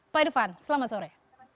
pak irfan selamat sore